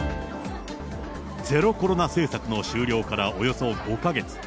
ゼロコロナ政策の終了からおよそ５か月。